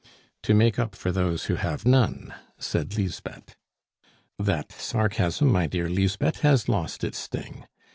"To make up for those who have none," said Lisbeth. "That sarcasm, my dear Lisbeth, has lost its sting.